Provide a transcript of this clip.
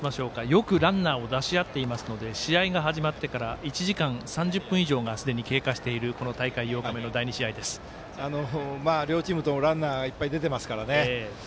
よくランナーを出し合っていますので試合が始まってから１時間３０分以上がすでに経過している両チームともランナーがいっぱい出てますからね。